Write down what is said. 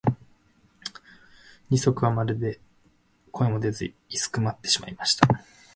二疋はまるで声も出ず居すくまってしまいました。